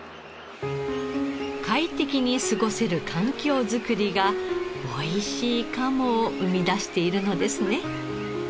快適に過ごせる環境づくりがおいしい鴨を生み出しているのですね。